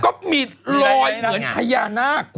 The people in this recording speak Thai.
ก็มีรอยเหมือนพญานาคุณล่ะ